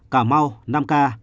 cà mau năm ca